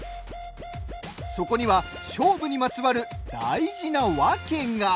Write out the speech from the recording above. そこには勝負にまつわる大事なワケが。